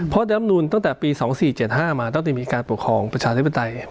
เพราะดำนูนตั้งแต่ปี๒๔๗๕มาตั้งแต่มีการปกครองประชาธิปไตย